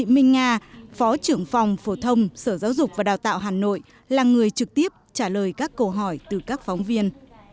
minh nga phó trưởng phòng phổ thông sở giáo dục và đào tạo hà nội là người trực tiếp trả lời các câu hỏi từ các phóng viên